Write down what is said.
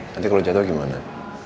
nanti kalau jatuh gimana